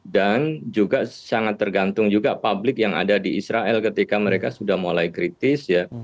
dan juga sangat tergantung juga publik yang ada di israel ketika mereka sudah mulai kritis ya